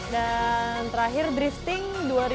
dan terakhir drifting